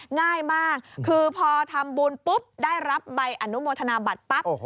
ง่ายมากคือพอทำบุญปุ๊บได้รับใบอนุโมทนาบัตรปั๊บ